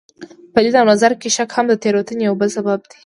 په لید او نظر کې شک هم د تېروتنې یو بل سبب دی.